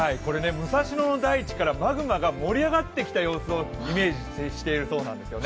武蔵野の大地からマグマが盛り上がってきた様子をイメージしているんですね。